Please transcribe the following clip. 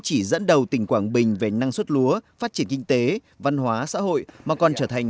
chỉ dẫn đầu tỉnh quảng bình về năng suất lúa phát triển kinh tế văn hóa xã hội mà còn trở thành